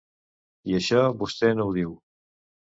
I això vostè no ho diu.